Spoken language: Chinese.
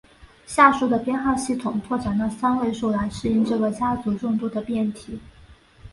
下述的编号系统拓展到三位数来适应这个家族众多的变体。